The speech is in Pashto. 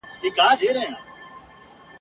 او له خپل یوازیتوبه سره ژاړې ..